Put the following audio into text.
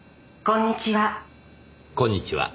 こんにちは。